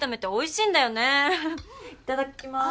いただきます。